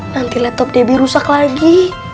nanti laptop debbie rusak lagi